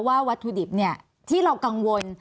ว่าวัตถุดิบเนี่ยที่เรากังวล